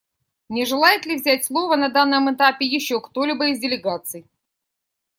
Не желает ли взять слово на данном этапе еще кто-либо из делегаций?